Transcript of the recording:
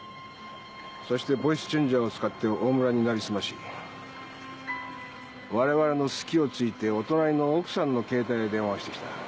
そしてボイスチェンジャーを使ってオオムラに成りすまし我々の隙をついてお隣の奥さんのケータイに電話してきた。